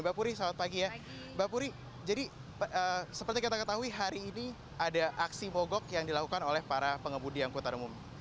mbak puri selamat pagi ya mbak puri jadi seperti kita ketahui hari ini ada aksi mogok yang dilakukan oleh para pengemudi angkutan umum